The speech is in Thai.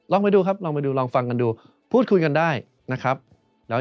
ไปดูครับลองไปดูลองฟังกันดูพูดคุยกันได้นะครับ